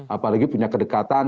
apalagi punya kedekatan